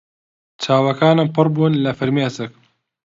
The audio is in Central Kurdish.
چاوەکانم پڕ بوون لە فرمێسک.